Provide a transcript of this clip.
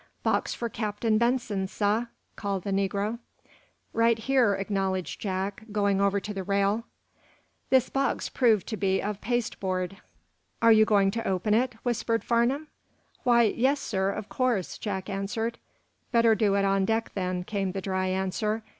"Box for Captain Benson, sah," called the negro. "Right here," acknowledged Jack, going over to the rail. The box proved to be of pasteboard. "Are you going to open it?" whispered Farnum. "Why, yes, sir; of course," Jack answered. "Better do it on deck, then," came the dry answer.